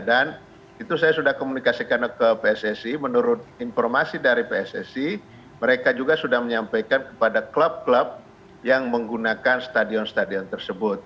dan itu saya sudah komunikasikan ke pssi menurut informasi dari pssi mereka juga sudah menyampaikan kepada klub klub yang menggunakan stadion stadion tersebut